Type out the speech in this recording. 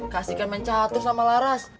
kasih kemencatu sama laras